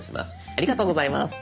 ありがとうございます。